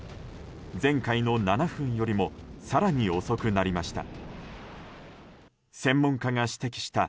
前回の７分よりも更に遅くなりました。